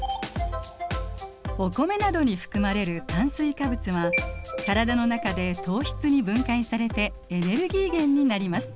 お米などに含まれる炭水化物は体の中で糖質に分解されてエネルギー源になります。